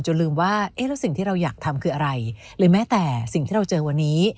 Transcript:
ลืมว่าเอ๊ะแล้วสิ่งที่เราอยากทำคืออะไรหรือแม้แต่สิ่งที่เราเจอวันนี้